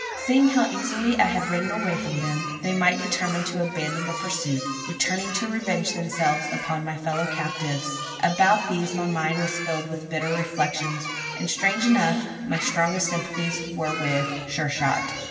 Seeing how easily I had ridden away from them, they might determine to abandon the pursuit returning to revenge themselves upon my fellow captives. About these my mind was filled with, bitter reflections; and strange enough, my strongest sympathies were with. Sure shot!